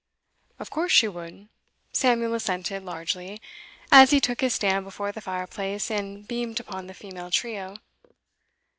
'Of course she would,' Samuel assented, largely, as he took his stand before the fireplace and beamed upon the female trio.